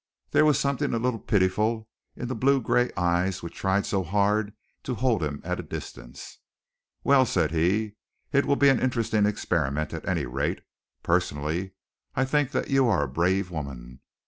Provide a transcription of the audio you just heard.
There was something a little pitiful in the blue gray eyes which tried so hard to hold him at a distance. "Well," said he, "it will be an interesting experiment, at any rate. Personally, I think that you are a brave woman.